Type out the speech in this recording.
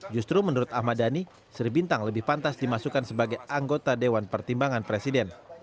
justru menurut ahmad dhani sri bintang lebih pantas dimasukkan sebagai anggota dewan pertimbangan presiden